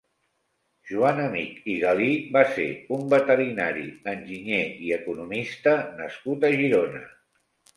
Joan Amich i Galí va ser un «Veterinari, enginyer i economista» nascut a Girona.